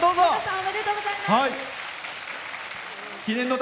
おめでとうございます。